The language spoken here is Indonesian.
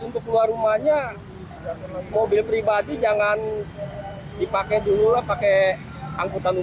terasa aktivitasnya terganggu gak sih